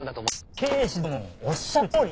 警視殿のおっしゃるとおり。